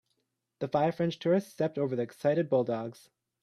The five French tourists stepped over the excited bulldogs.